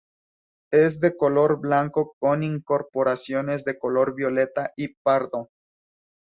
Es de color blanco con incorporaciones de color violeta y pardo.